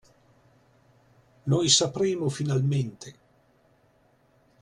Noi sapremo finalmente!